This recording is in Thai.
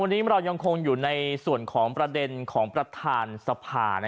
วันนี้เรายังคงอยู่ในส่วนของประเด็นของประธานสภา